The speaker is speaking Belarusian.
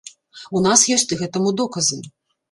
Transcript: У нас ёсць гэтаму доказы.